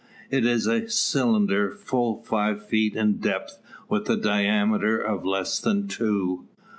It is a cylinder full five feet in depth, with a diameter of less than two.